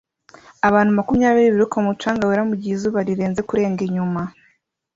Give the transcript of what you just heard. Abantu Makumyabiri biruka mumucanga wera mugihe izuba rirenze kurenga inyuma